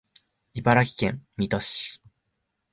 茨城県水戸市